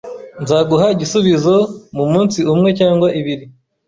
Nzaguha igisubizo mumunsi umwe cyangwa ibiri.